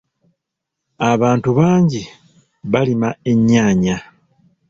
Abantu bangi balima ennyaanya.